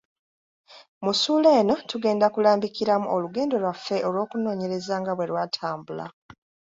Mu ssuula eno tugenda kulambikiramu olugendo lwaffe olw’okunoonyereza nga bwe lwatambula.